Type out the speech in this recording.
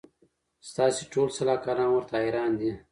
ستاسي ټول سلاکاران ورته حیران دي